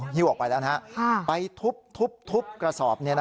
หิวออกไปแล้วนะไปทุบทุบกระสอบ